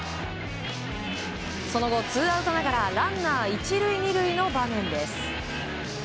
その後、ツーアウトながらランナー１塁２塁の場面です。